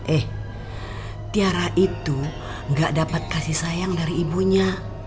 eh tiara itu gak dapat kasih sayang dari ibunya